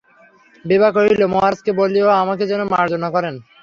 বিভা কহিল, মহারাজকে বলিয়ো, আমাকে যেন মার্জনা করেন।